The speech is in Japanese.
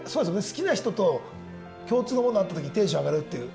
好きな人と共通のものあった時テンション上がるっていう。